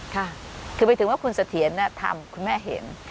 คือไปถึงว่าคุณเสถียรทำคุณแม่เห็น